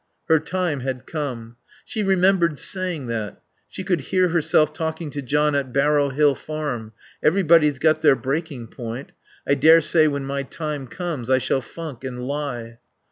Her time had come. She remembered saying that. She could hear herself talking to John at Barrow Hill Farm: "Everybody's got their breaking point.... I daresay when my time comes I shall funk and lie."